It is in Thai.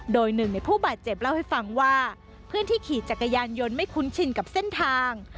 โดยหนึ่งในผู้บาดเจ็บเล่าให้ฟังว่าเพื่อนที่ขี่จักรยานยนต์ไม่คุ้นชินกับเส้นทาง